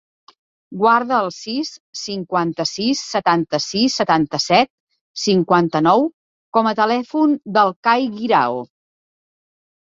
Guarda el sis, cinquanta-sis, setanta-sis, setanta-set, cinquanta-nou com a telèfon del Kai Guirao.